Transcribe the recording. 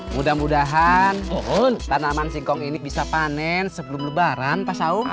mudah mudahan tanaman singkong ini bisa panen sebelum lebaran pak saung